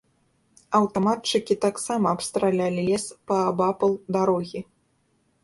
Аўтаматчыкі таксама абстралялі лес паабапал дарогі.